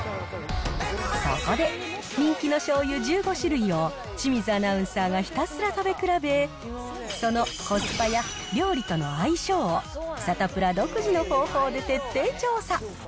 そこで、人気の醤油１５種類を、清水アナウンサーがひたすら食べ比べ、そのコスパや料理との相性を、サタプラ独自の方法で徹底調査。